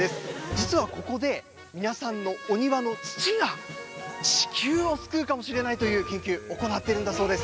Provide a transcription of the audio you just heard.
実はここで皆さんのお庭の土が地球を救うかもしれないという研究、行っているんだそうです。